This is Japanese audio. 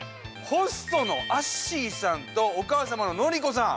ホストのＡｓｓｙさんとお母様の典子さん。